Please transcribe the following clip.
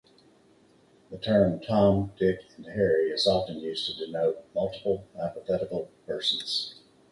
The term Tom, Dick and Harry is often used to denote multiple hypothetical persons.